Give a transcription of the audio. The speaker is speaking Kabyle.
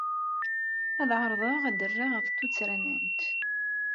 Ad ɛerḍeɣ ad d-rreɣ ɣef tuttra-nwent.